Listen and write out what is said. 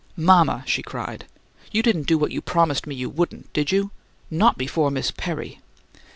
"Mama!" she cried. "You didn't do what you promised me you wouldn't, did you NOT before Miss Perry!"